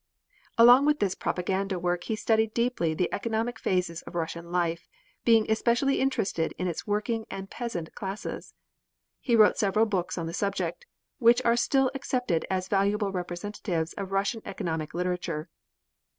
Along with this propaganda work he studied deeply the economic phases of Russian life, being especially interested in its working and peasant classes. He wrote several books on the subject, which are still accepted as valuable representatives of Russian economic literature.